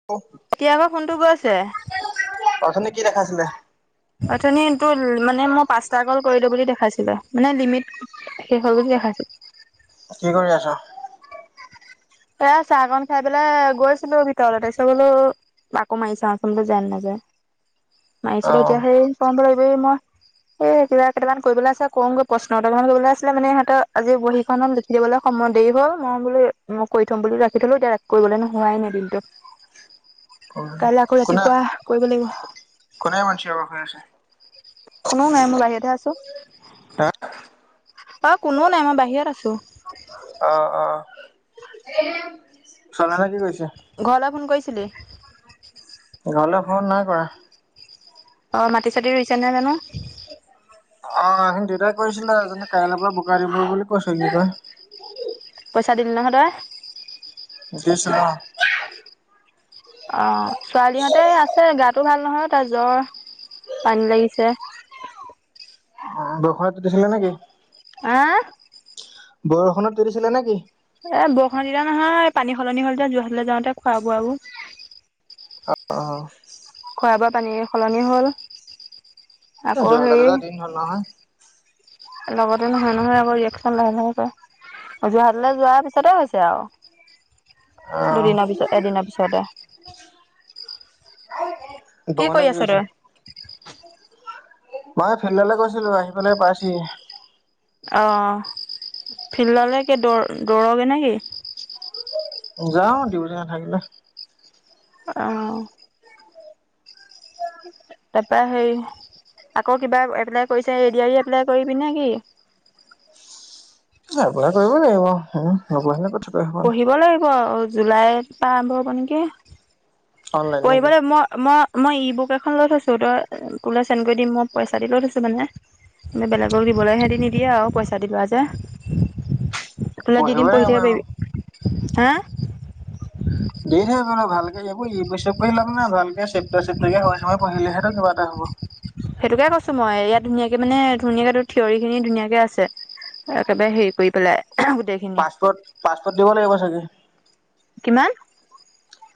[unintelligible] এতিয়া আকৌ ফোনটো গৈছে। অথনি কি দেখাইছিলে? অথনি টো মানে মই পাঁচটা কল কৰিলো বুলি দেখাইছিলে, মানে লিমিট শেষ হ'ল বুলি দেখাইছে। কি কৰি আছ? এ চাহকন খাই পেলাই গৈছিলো ভিতৰলে তাৰিছত বোলো আকৌ মাৰি চাও চোন যাই নে নেযায়? মাৰিছিলো অ' এতিয়া সেই ক লাগিব এই মই এ কিবা কেইটামান কৰিবলে আছে কমগৈ প্ৰশ্ন কেইটামান কৰিবলৈ আছিলে মানে সিহঁত আজি বহীখনত দিবলে সময় দেৰি হ'ল মই বোলো মোক কৰি থ'ম বুলি ৰাখি থলো, এতিয়া কৰিবলে নো হোৱাই নাই দিনটোত। কাইলৈ আকৌ কোনে ৰাতিপুৱা কৰিব লাগিব। কোনে ইমান চিঞৰ বাখৰ কৰি আছে? কোনো ও নাই মই বাহিৰতহে আছো। হা? অ কোনোও নাই মই বাহিৰত আছো। অ অ। চনা হেত কি কৰিছে? ঘৰলে ফোন কৰিছিলি? ঘৰলে ফোন নাই কৰা। অ মাটি চাটি ৰুইছে নে নাই জানো? অ সন দেউতাই কৈছিলে এজনী কাইলে পৰা বোকা দিব বুলি কৈছিলি তই। পইচা দিলি নহয় তই? দিছোঁ অ। অ ছোৱালীহঁতে আছে গাটো ভাল নহয় তাৰ জ্বৰ পানী লাগিছে। অ বৰষুণত তিটিছিলে নেকি? আ, বৰষুণত তিটিছিলে নেকি? এ বৰষুণত তিতা নহয় পানী সলনি হল যে যোৰহাটলে যাওঁতে খুৱ বোৱা বোৰ। অ অ। খোৱা বোৱা পানীৰ সলনি হ'ল আকৌ যোৰহাটলৈ হেই যোৱা দিন হ'ল নহয়। লগতে নহয় নহয় আক ৰিয়েকশ্যন লাহে লাহেক। যোৰহাটলে যোৱাৰ পিছতে হৈছে আও। আহ এদিনৰ পিছতে [unintelligible] গগনে কৰি কি আছ কৰিছে? তই মইে ফিল্ডলে গৈছিলো আহি পেলাই পাইছোহি হে। অঁ ফিল্ডলে দৌ দৌৰগে নে কি? যাওঁ ডিউটি নাথাকিলে। অ তাৰপৰা হেৰি আকৌ কিবা এপ্লাই কৰিছে এ দি অৰ ই এপ্লাই কৰিবি নেকি? এপ্লাই কৰিব লাগিব হু। [unintelligible] পঢ়িব লাগিব আও। জুলাইৰ পৰা আৰম্ভ হ'ব নেকি? অনলাইন পঢ়িব নেকি? লাগ মই মই মই ই বুক এখন লৈ থৈছো তই তোলে চেনড কৰি দিম মই পইচা দি লৈ থৈছো মানে। বেলেগক দিবলৈ সেহেতি নিদিয়ে আৰু পইচা দি লোৱা যে। তোলে দি পঢ়িবই দিম পঢ়ি লাগিব থাকিব এইবোৰ। পাৰিবি হা, দি থবি বোলো ভালকে এইবোৰক ইবছৰ পঢ়িলে লাভ নাই ভালকে চেপ্তা চেপ্তাকে সময় পঢ়িলেহে কিবা এটা হ'ব। সেইটোকে কৈছো মই ইয়াত ধুনীয়াকে মানে ধুনীয়াকে থিয়ৰি খিনি ধুনীয়াকে আছে। একেবাৰে হেৰি কৰি পেলাই। গোটেইখিনি পাছপৰ্ট পাছপোৰ্ট দিব লাগিব চাগে? কিমান?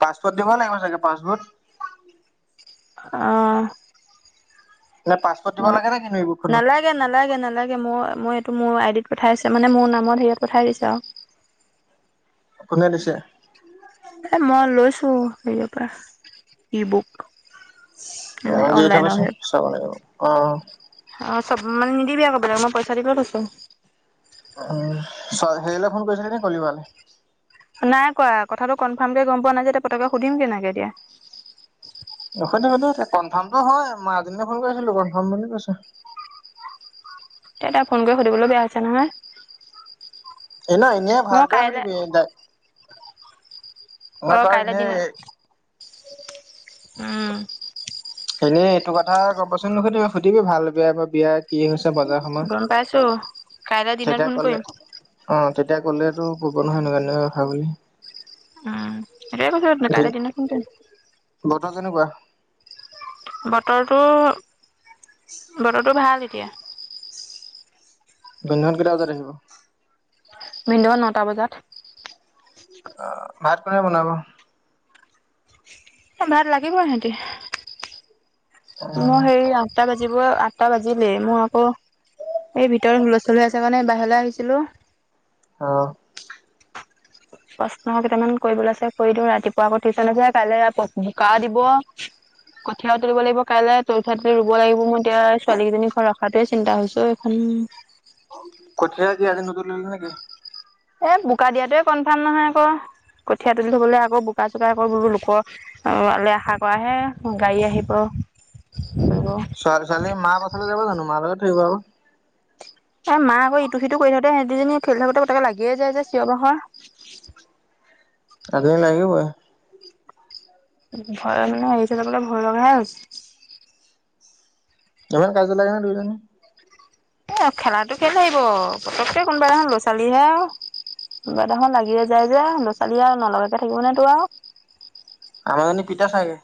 পাছপৰ্ট দিব লাগিব চাগে পাছপৰ্ট। অ। নে পাছপৰ্ট ন দিব লাগে নে কিনো ই বুকখনত নালে লাগে নালাগে নালাগে মই মই এইটো মোৰ আইডিত পঠাই আছে, মানে মোৰ নামত হেৰিয়ত পঠাই দিছে আও। কোনো দিছে। এ মই লৈছো হেৰিয়াৰ পৰা ই বুক, অ এনে দি অনলাইনৰ থবিচোন হেৰি চাব লাগিব অ অ চব মানে নিদিবি আকৌ বেলেগ মই পইচা দি পেলাই থৈছো। উ চ হেৰিলে ফোন কৰিছিলি কলিবালে। নাই কোৱা কথাটো কনফাৰ্ম কে গম পোৱা নাই যে পতাকে সুধিম কেনেকে এতিয়া। নসুধি মানে থা কনফাৰ্মটো হয় মাজনীলে ফোন কৰিছিলো কনফাৰ্ম বুলি কৈছে। এতিয়া ফোন কৰি সুধিবলৈ বেয়া হৈছে নহয়। এনাই এনে ভাল মই বেয়া কাইলে সুধিবি এ তাই, মই অ তাৰ কাইলৈ দিনত এনেই উম, এনেই এইটো কথা ক'বচোন সুধিবিচোন ভাল বেয়াৰ বিয়াত। কি হৈছে বজাৰ সমা গম পাইছো কাইলে দিনত তেতিয়া ফোন কৰিম কলে। অ তেতিয়া কলেতো ক'ব নহয় এনেকুৱা এনেকা কথা বুলি। উম এতিয়া ফোন নকৰো ভিন কাইলে দিনত ফোন কৰিম। বতৰ কেনেকোৱা। বতৰটো বতৰটো ভাল এতিয়া। ভিন্দৌ কেইটা বজাত আহিব। ভিন্দৌ নটা বজাত, অ ভাত কোনে বনাব। এ ভাত লাগিব সিহঁতি মই হেৰি আঠটা বাজি, বৈ আঠটা বাজিলেই মোৰ আকৌ এই ভিতৰ সোলস্থোল হৈ আছে কাৰণে বাহিৰলৈ আহিছিলোঁ। অ, প্ৰশ্ন কেইটামান কৰিবলে আছে কৰি দিওঁ ৰাতিপুৱা আকৌ টিউচন আ যে কাইলে আকৌ বোকা দিব। কঠিয়ীয়াও তুলিব লাগিব কাইলে তুলি থোৱাটো ৰুব লাগিব মই এতিয়া ছোৱালী কেইজনীখন ঘৰত ৰখাটোৱে চিন্তা হৈছে ই, কঠিয়ে কি আজি নুতুলিলি নেকি। এ বোকা দিয়াটোৱে কনফাৰ্ম নহয় আকৌ কঠীয়া তুলি থবলৈ আকৌ বোকা চোকা আকৌ বোৰ লোকৰ। আৰু আলে আশা কৰা হে গাড়ী আহিব কৰিব, ল'ৰা ছোৱালী মা পাছলৈ যাব জানো মা লগত থই আহিবা ক, এ মাক আকৌ ইটো সিটো কৰি থাকতে সিহঁতি দুজনী খেলি থাকোতে পতকে লাগিয়ে যায় যে চিঞৰ বাখৰ। কাজিয়া লাগিবই। ভয় মানে এৰি থৈ যাবলে ভয় লগা হৈছে। ইমান কাজিয়া লাগে নে দুইজনী। খেলাটো খেলি থাকিব পতকে কোনোবা এদিনাখন সৰু ল'ৰা ছোৱালীহে। কিবা দেখোন লাগিয়েই যায় যে লৰা ছোৱালী আৰু নলগাকে থাকিব নে তোৰ আও, আমাৰ জনী পিঠা চাগে।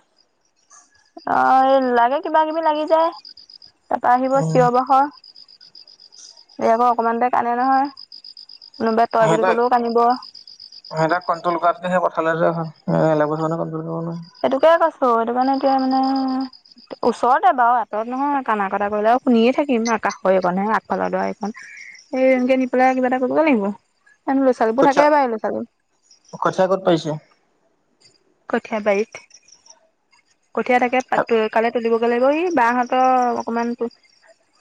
অ এই লাগে কিবা কিবি লাগি যায় তাৰপা আহিব উম চিঞ বাখৰ, এই আকৌ অকমানতে কান্দে নহয় কোনোবাই তই বুলি ক'লেও কান্দিব। অ সেই তক কণ্ট্ৰল কৰাতকে হে পাথালে যোৱাই ভাল এলেগ বছৰ মানে কন্ট্ৰল কৰিব নোৱাৰে। এইটোকে কৈছো, এইটো কাৰণে এতিয়া মানে ওচৰতে বাৰু আঁতৰত নহয় কানা কটা কৰিলে আৰু শুনিয়ে থাকিম আৰু কাষৰখনহে আগফালৰ দৰা এইখন। এই এনেকে নি পেলাই কিবা এটা কৰিব লাগিব, এ লৰা ছোৱালীবোৰ কঠীয়া থাকে বাই লৰা - ছোৱালী। কঠীয়া ক'ত পাইছে। কঠীয়া বাৰীত কঠীয়া তাকে কাইলে তুলিব। লগ গ ই বাহহঁতৰ অকনমান।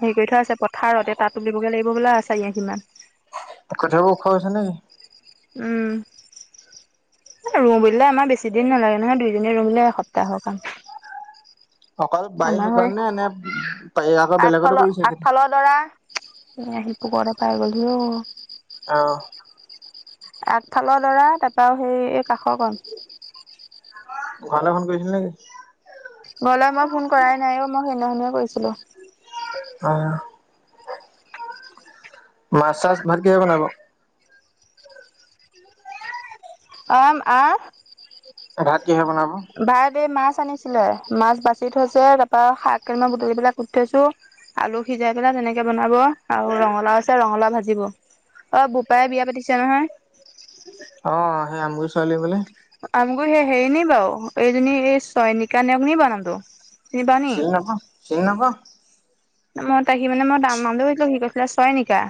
হেৰি কৰি থৈ আছে পথাৰতে তাত তুলিবগে লাগিব বোলা চাৰি আচিমান। কঠিয়া বোৰ ওখ হৈছে নেকি। উম ৰুও বোলিলে আমাৰ বেছি দিন নালাগে নহয় দুইজনিয়ে ৰুলে এসপ্তাহৰ কাম। অকল বাৰী আমাৰ হয় সেইকণনে নে বাৰী আকৌ বেলেগতো আগফালৰ কৰিছে খেতি? আগফালৰ দৰা। এ আহি পূৰ্ৱতে পাই গলহি অ, অ, আগফালৰ দৰা তাৰপৰাও সেই কাষৰ কণ। ঘৰলে ফোন কৰিছিল নেকি। ঘৰলে মই ফোন কৰাই নাইও মই সেইদিনাখনে কৰিছিলো। অঁ। মাছ চাছ ভাত কিহে বনাব। আম আহ ভাত কিহে বনাব। ভাত এই মাছ আনিছিলে, মাছ বাচি থৈছে তাৰপা শাক কিনো ধুই পেলাই কুঠ থৈছো। আলু সিজাই পেলাই তেনেকে বনাব আৰু ৰঙালাও আছে ৰঙালাও ভাজিব। অ বোপাৰে বিয়া পাতিছে নহয়। অ সেই আমগুৰি ছোৱালী বোলে। আমগুৰি সেই হেৰি নি বাৰু, এইজনী এই চয়নিকা নে কিবাও নামটো। পাও নি? চিনি নাপাও চিনি নাপাও, মই তাকি মানে মই দাম নামটো সি কৈছিলা চয়নিকা।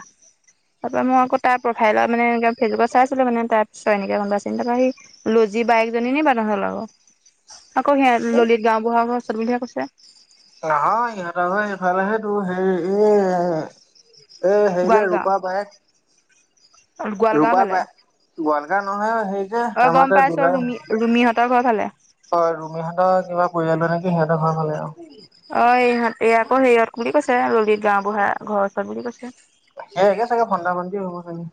তাৰপৰা মই আকৌ তাইৰ প্ৰফাইল মানে এনেকে ফেচবুকত চাইছিলো মানে তাৰপিছ এনেকে গম পাইছো তাৰ পৰা সেই লজি বাইকজনী নি বাও তহতৰ লগৰ। আকৌ সেয়া ললিত গাওবুঢ়া ঘৰ সনবিধে কৈছে। নহয় ইহঁতৰ আক সেইফালেহে তোৰ হেৰি এয়া এ এ সেই যে গোৱালগাঁও ৰূপা পায়ে গোৱালগাঁও ৰূপা ফালে পাই গোৱালঘাৰ নহয় সেই যে অ গম আমাৰতাত পাইছো দুলাই। ৰুমি ৰুমিহঁতৰ ঘৰ ফালে? হয় ৰুমিহঁতৰ কিবা পৰিয়ালটো নেকি সিহঁতৰ ঘৰ ভালে অ, অ, ইহঁত এই আকৌ হেৰিয়ত বুলি কৈছে ললিত গাওঁবুঢ়া ঘৰৰ ওচৰত বুলি কৈছে। সেইহে চাগে ভন্দা -ভন্দি হ' ব চাগে।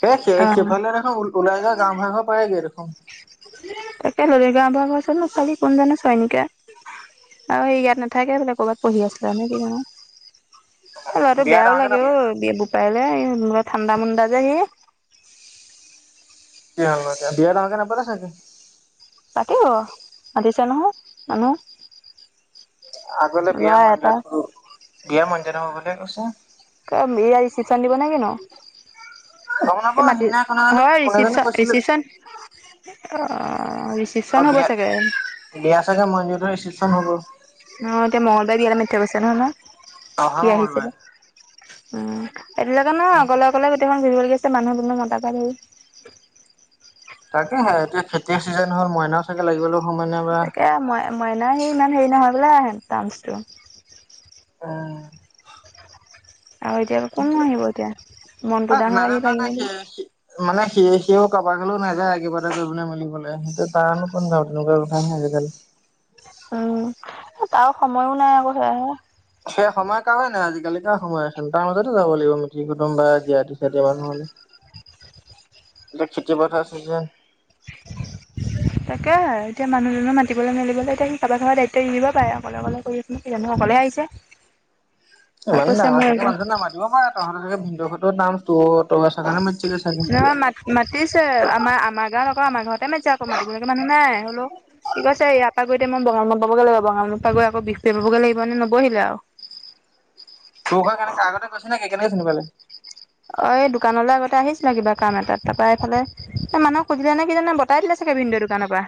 সে সেই অ সিফালে দেখোন ওলাই গা গাওঁবুঢ়া ঘৰ পায়গে দেখোন। তাকে ললিত গাওঁবুঢ়া ঘৰৰ ওচৰতনো ছোৱালী কোনজনে ছয়নিকা? আৰু এই ইয়াত নাথাকে বোলে ক'বাত পঢ়ি আছিলে আমি কি জানো। অ, ল'ৰাটো বিয়া বেয়াও ডাঙৰকে নাপ লাগে অ, বি বোপাৰলে ঠাণ্ডা- মুণ্ডা যে সি। বিয়া হ'ল এতিয়া বিয়া ডাঙৰকে নাপাতে চাগে? পাতিব মাতিছে নহয় মানুহ। আগলে বিয়া ল'ৰা এটা মন্দিৰত উম, বিয়া মন্দিৰত হ'ব বুলিহে কৈছে। কাম এয়াই ৰিচিপচন দিব নে কিনো? গম এ নাপাওঁ মাটি সিদিনা কোনে জানো হয় কোনে জানো ৰিচিপচ- কৈছিলে ৰিচিপচন অ, ৰি অ, বিয়াত-বিয়া [unintelligible] মই এনেওটো ৰিচিপচন হলোঁ। অ, এতিয়া মঙলবাৰে বিহাতে মাতি থৈ গৈছে নহয়- নহয়? অহা মন নাই। উম, এইবিলাকে নো অ অকলে- অকলে গোটেইখন ঘুৰিব লাগি আছে মানুহ দুুনোঁহ মতাকে ধৰি। তাকেহে এতিয়া খেতিৰ চিজন হ'ল মইনা তাকে লাগি গলেওঁ সময় নাই বা তাকে মই মইনাৰ সে ইমান হেৰি নহয় বোলে আহে ডান্স টো। অ', আৰু এতিয়া কোননো আহিব এতিয়া অ মনটো দা হত আহি নাজানো পাই তাই নি। সি মানে সি- সিও কাৰোবা গলও নাযায় কিবা এটা কৰিবলে মিলিবলে সেইটো তাৰনো কোন [unintelligible] কথা আহে আজিকালি। উম, এ তাৰ সময়ো নাই আকৌ সেয়াহে। সেই সময় কাৰো নাই আজিকালি কাৰ সময় আছে তাৰ মাজতে যাব লাগিব মিতিৰ কুটুম বা জিয়াতি ছিয়াতি মানুহ আমি। [unintelligible] এতিয়া খেতি পথাৰ চিজেন। তাকেহে এতিয়া মানুহজনো মাতিবলে মেলিবলে এতিয়া সি কাবাৰ খাবাৰ দায়িত্ব দিব পাৰে অকলে -অকলে কৰি মই কি জানো অকলেহে আহিছে তই কৈছে মোৰ একদম দিব পাৰা তহঁতে চাগে ভিনদৰ ঘৰতো নাম [unintelligible] নহয় মাত -মাতিছে আমাৰ- আমাৰ গাঁও ক আমাৰ ঘৰতে মাতিছে আকৌ মাতিবলেতো মানুহ নাই হ'লেও সি কৈছে ইয়াৰ পৰা গৈ মই বঙালমত পাবগে লাগিব বঙমৰ পৰা গৈ আকৌ বিহ পৰীয়া পাবগে লাগিব নে নবহিলে আওঁ। তোৰ ঘৰ কেনেকে আগতে কৈছে নেকি কেনেকে চিনি পালি? অ, এই দোকানলৈ আগতে আহিছিলে কিবা কাম এটাত তাপা এইফালে এই মানুহ সুধিলে নে কিজানে বটাই দিলে চাগে ভিনদও দোকানৰ পৰা।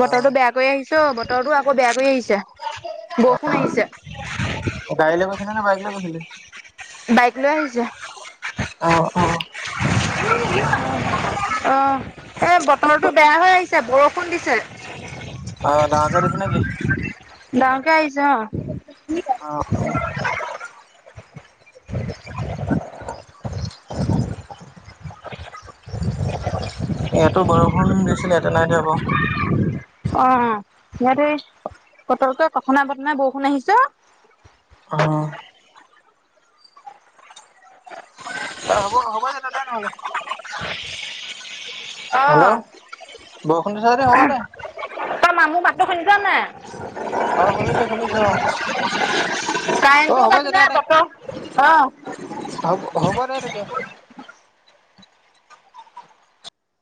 অ' বতৰটো বেয়া কৰি আহিছে অ, বতৰটো আকৌ বেয়া কৰি আহিছে বৰষুণ আহিছে। অ, গাড়ী লৈ গৈছিলি নে বাইক লৈ গৈছিলি? বাইক লৈ আহিছে। অ' অ'। [unintelligible] অ, এ বতৰটো বেয়া হৈ আহিছ ছে বৰষুণ দিছে অ' ডাঙৰকে দিছে নেকি? ডাঙৰকে আহিছে অ, আ, উ, ইয়াতো বৰষুণ দিছিলে ইয়াতে নাই দিয়া বাৰু। অ, ইয়াতে পতককে কথা নাই বটৰা নাই বৰষুণ আহিছে অ, অহ', তে হ'ব -হ'ব দে, তাতে নহ'লে [unintelligible] অ', হেল্ল', বৰষুণ দিছে যদি হ'ব দে। ত মামো মাতটো শুনিছ নাই! অ শুনিছোঁ শুনিছোঁ অ অ' কাৰেণ্টটো হ'ব কাটিলে যেতিয়া বতৰ অ হ হ'ব দে তেতিয়া।